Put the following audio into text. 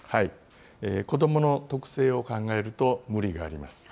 子どもの特性を考えると、無理があります。